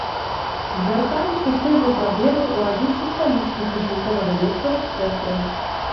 Звяртаемся з той жа праблемай у адзін са сталічных разлікова-даведкавых цэнтраў.